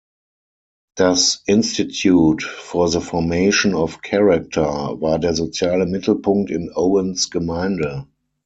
Das „Institute for the Formation of Character“ war der soziale Mittelpunkt in Owens Gemeinde.